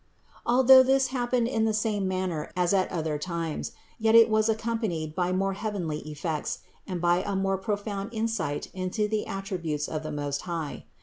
Although this happened in the same manner as at other times, yet it was accompanied by more heavenly effects and by a more profound insight into the attributes of the Most High.